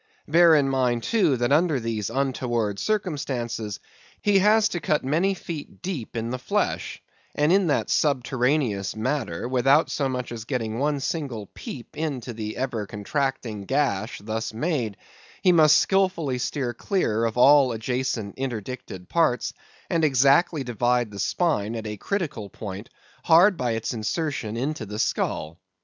Bear in mind, too, that under these untoward circumstances he has to cut many feet deep in the flesh; and in that subterraneous manner, without so much as getting one single peep into the ever contracting gash thus made, he must skilfully steer clear of all adjacent, interdicted parts, and exactly divide the spine at a critical point hard by its insertion into the skull.